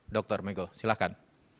dr megho silakan